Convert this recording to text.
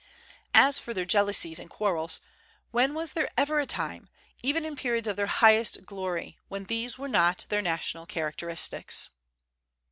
As for their jealousies and quarrels, when was there ever a time, even in periods of their highest glory, when these were not their national characteristics?